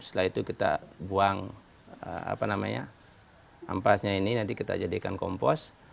setelah itu kita buang ampasnya ini nanti kita jadikan kompos